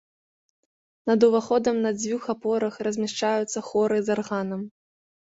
Над уваходам на дзвюх апорах размяшчаюцца хоры з арганам.